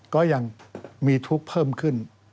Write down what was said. ก็ยังมีทุกข์เพิ่มขึ้น